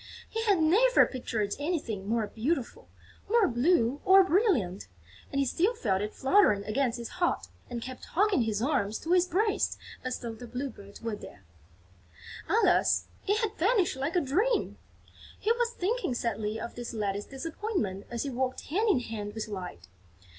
He had never pictured anything more beautiful, more blue or brilliant; and he still felt it fluttering against his heart and kept hugging his arms to his breast as though the Blue Bird were there. Alas, it had vanished like a dream! He was thinking sadly of this latest disappointment as he walked hand in hand with Light.